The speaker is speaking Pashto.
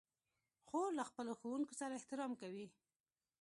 خور له خپلو ښوونکو سره احترام کوي.